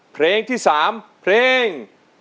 เพลงที่๓เพลง